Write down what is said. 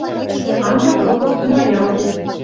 Андак Рогов тумаялде